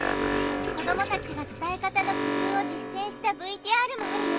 子どもたちが伝え方の工夫を実践したＶＴＲもあるよ！